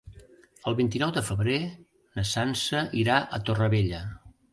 El vint-i-nou de febrer na Sança irà a Torrevella.